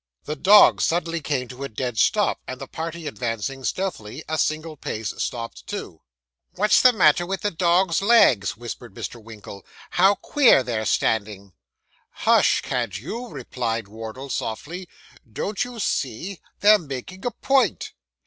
The dogs suddenly came to a dead stop, and the party advancing stealthily a single pace, stopped too. 'What's the matter with the dogs' legs?' whispered Mr. Winkle. 'How queer they're standing.' 'Hush, can't you?' replied Wardle softly. 'Don't you see, they're making a point?